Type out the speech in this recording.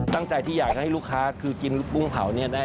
ตั้งใจที่อยากให้ลูกค้าคือกินนี้กุ้งเผาเนี่ย